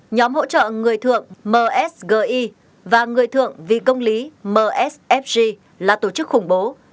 nhóm hỗ trợ người thượng msgi và người thượng vì công lý msfg là tổ chức khủng bố